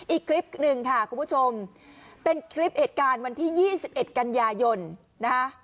อีกคลิปหนึ่งค่ะคุณผู้ชมเป็นคลิปเหตุการณ์วันที่๒๑กันยายนนะคะ